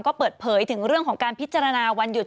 ก็เปิดเผยถึงเรื่องของการพิจารณาวันหยุด